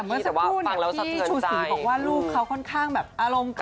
แต่ว่าฟังแล้วสะเทินใจคือแต่เมื่อสักครู่เนี่ยพี่ชูศรีบอกว่าลูกเขาค่อนข้างแบบอารมณ์ขึ้น